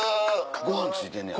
ご飯ついてんねや。